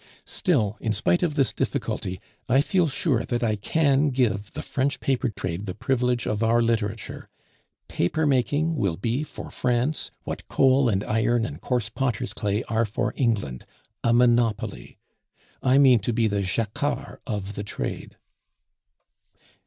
Still, in spite of this difficulty, I feel sure that I can give the French paper trade the privilege of our literature; papermaking will be for France what coal and iron and coarse potter's clay are for England a monopoly. I mean to be the Jacquart of the trade."